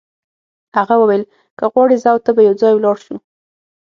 هغه وویل که غواړې زه او ته به یو ځای ولاړ شو.